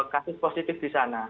kasus positif di sana